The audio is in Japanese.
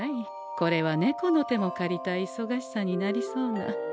これは猫の手も借りたいいそがしさになりそうな。